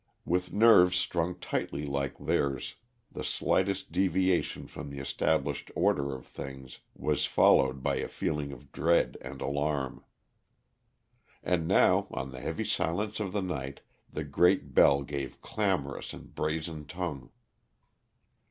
With nerves strung tightly like theirs, the slightest deviation from the established order of things was followed by a feeling of dread and alarm. And now, on the heavy silence of the night, the great bell gave clamorous and brazen tongue.